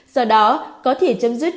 do đó có thể chấm dứt